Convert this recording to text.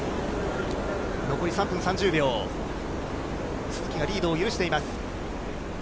残り３分３０秒、都筑がリードを許しています。